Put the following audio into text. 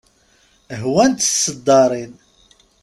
Hwant tiseddaṛin.